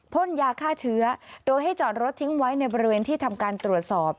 พ่นยาฆ่าเชื้อโดยให้จอดรถทิ้งไว้ในบริเวณที่ทำการตรวจสอบ